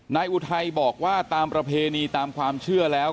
อุทัยบอกว่าตามประเพณีตามความเชื่อแล้ว